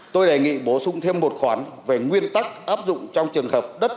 tôi đề nghị bổ sung thêm một khoản về nguyên tắc áp dụng trong trường hợp đất